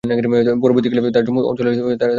পরবর্তীকালে তারা জম্মু অঞ্চলে চলে যান।